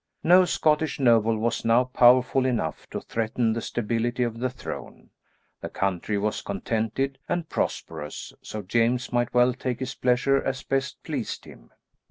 No Scottish noble was now powerful enough to threaten the stability of the throne. The country was contented and prosperous, so James might well take his pleasure as best pleased him.